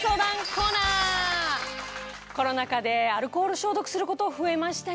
コロナ禍でアルコール消毒すること増えましたよね。